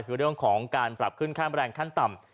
คือเรื่องของการปรับขึ้นค่าแรงขั้นต่ำ